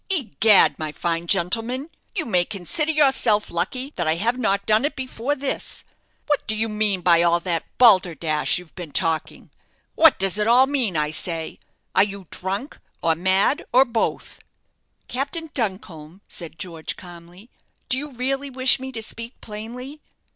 Egad, my fine gentleman, you may consider yourself lucky that I have not done it before this. What do you mean by all that balderdash you've been talking? What does it all mean, I say? Are you drunk, or mad, or both?" "Captain Duncombe," said George, calmly, "do you really wish me to speak plainly?"